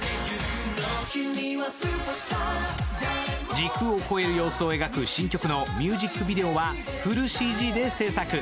時空を越える様子を描く新曲のミュージックビデオは、フルＣＧで制作。